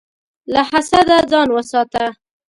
له حسده ځان وساته.